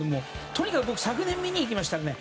とにかく昨年見に行きましたらね